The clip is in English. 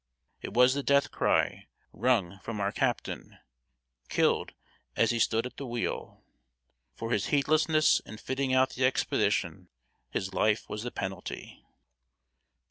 It was the death cry wrung from our captain, killed as he stood at the wheel. For his heedlessness in fitting out the expedition, his life was the penalty.